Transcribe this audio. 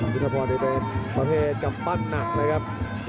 ยุทธพรนี่เป็นประเภทกำปั้นหนักเลยครับ